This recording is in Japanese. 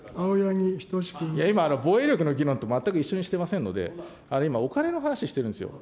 今、防衛力の議論と全く一緒にしてませんので、今、お金の話をしてるんですよ。